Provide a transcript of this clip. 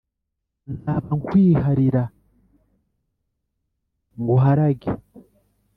nzaba nkwiharira nguharage